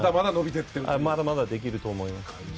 まだまだできると思います。